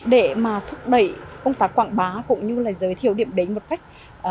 để mà thúc đẩy công tác quảng bá cũng như là giới thiệu điểm đến một cách